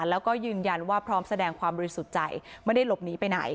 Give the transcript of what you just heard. แล้วก็ยืนยันว่าพร้อมแสดงความบริสุทธิ์ใจไม่ได้หลบหนีไปไหน